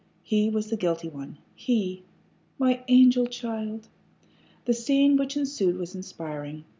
He was the guilty one he! "My angel child!" The scene which ensued was inspiriting.